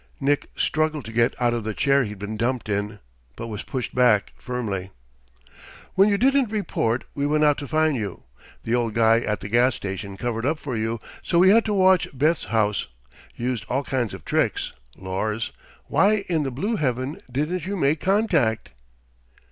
Nick struggled to get out of the chair he'd been dumped in, but was pushed back firmly. "When you didn't report, we went out to find you. The old guy at the gas station covered up for you, so we had to watch Beth's house. Used all kinds of tricks, Lors. Why in the blue heaven didn't you make contact?"